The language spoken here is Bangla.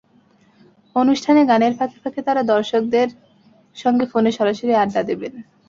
অনুষ্ঠানে গানের ফাঁকে ফাঁকে তাঁরা দর্শকদের সঙ্গে ফোনে সরাসরি আড্ডা দেবেন।